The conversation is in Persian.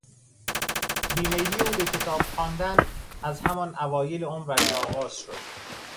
بیمیلی او به کتاب خواندن از همان اوایل عمرش آغاز شد.